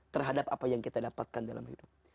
terhadap apa yang kita dapatkan dalam hidup